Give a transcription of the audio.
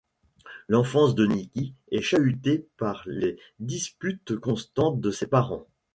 L'enfance de Nicki est chahutée par les disputes constantes de ses parents.